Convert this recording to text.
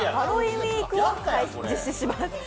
ウィークを実施します。